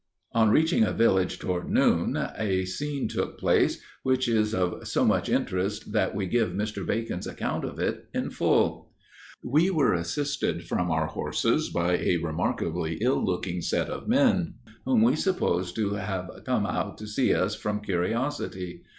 On reaching a village, toward noon, a scene took place, which is of so much interest that we give Mr. Bacon's account of it in full: "We were assisted from our horses by a remarkably ill looking set of men, whom we supposed to have come out to see us from curiosity.